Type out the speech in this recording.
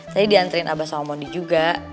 tadi diantriin aba sama mondi juga